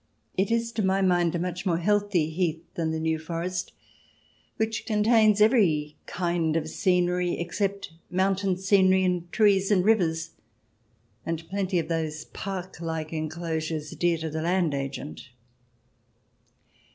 It is, to my mind, a much more heathy heath than the New Forest, which contains every kind of scenery, except mountain scenery and trees and rivers and plenty of those park like enclosures dear to the land agent.